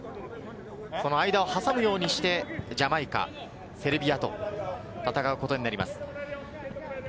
その間を挟むようにしてジャマイカ、セルビアと戦うことになります。